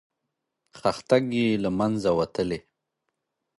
خښتګ یې له منځه وتلی.